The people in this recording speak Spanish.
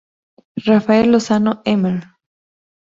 Rafael Lozano-Hemmer.